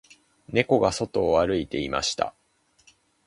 猫が外を歩いていました